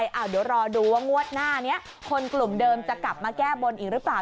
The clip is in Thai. เดี๋ยวรอดูว่างวดหน้านี้คนกลุ่มเดิมจะกลับมาแก้บนอีกหรือเปล่า